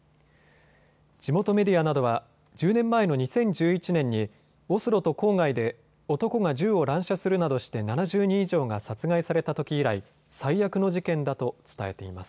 地元メディアなどは１０年前の２０１１年にオスロと郊外で男が銃を乱射するなどして７０人以上が殺害されたとき以来、最悪の事件だと伝えています。